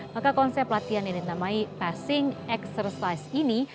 maka konsep latihan yang dinamai passing exercise ini